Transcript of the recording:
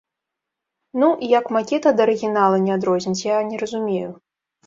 Ну, і як макет ад арыгінала не адрозніць, я не разумею.